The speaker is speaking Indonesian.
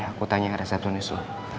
aku tanya resep tunis dulu